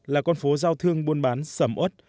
là con phố giao thương buôn bán sầm ớt